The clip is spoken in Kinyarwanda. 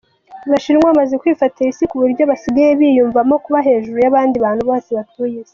Abashinwa bamaze kwifatira isi kuburyo basigaye biyumvamo kuba hejuru yabandi Bantu Bose batuye isi.